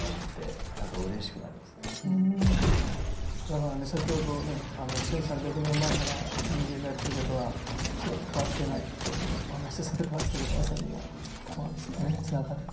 だからね先ほどね１，３００年前から人間がやっていることは変わってないっていうお話をされてましたけどまさに今。つながる。